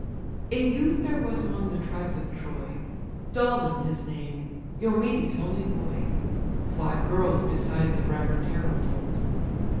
A youth there was among the tribes of Troy, Dolon his name, Eumedes' only boy, (Five girls beside the reverend herald told.)